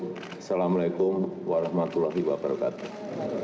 wassalamu'alaikum warahmatullahi wabarakatuh